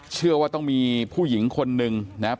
เชื่อว่าต้องมีผู้หญิงคนหนึ่งนะครับ